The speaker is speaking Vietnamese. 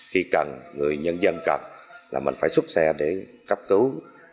khi cần người nhân dân cần là mình phải xuất xe để cấp cứu